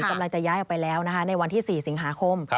กำลังจะย้ายออกไปแล้วนะคะในวันที่๔สิงหาคม